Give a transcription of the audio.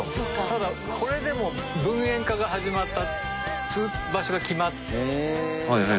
ただこれでも分煙化が始まった場所が決まった頃でね。